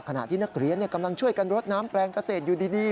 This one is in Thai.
ขณะที่นักเรียนกำลังช่วยกันรดน้ำแปลงเกษตรอยู่ดี